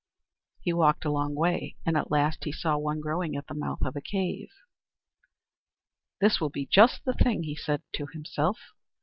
He walked a long way, and at last saw one growing at the mouth of a cave. "This will be just the thing," he said to himself.